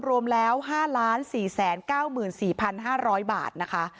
รวมแล้ว๕๔๙๔๕๐๐บาทนะคะ